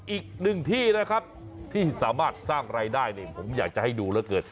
อีกหนึ่งที่นะครับที่สามารถสร้างรายได้นี่ผมอยากจะให้ดูแล้วเกิด